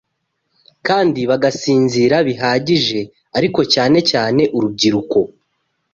kandi bagasinzira bihagije ariko cyane cyane urubyiruko.